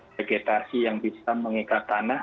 vegetasi yang bisa mengikat tanah